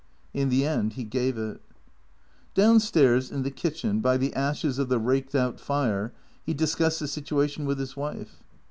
In the end he gave it. Down stairs, in the kitchen, by the ashes of the raked out fire, he discussed the situation with his wife.